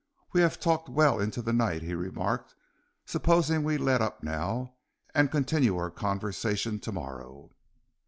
"We have talked well into the night," he remarked; "supposing we let up now, and continue our conversation to morrow."